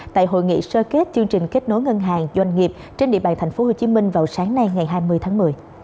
tại hội nghị sơ kết chương trình kết nối ngân hàng doanh nghiệp trên địa bàn tp hcm vào sáng nay ngày hai mươi tháng một mươi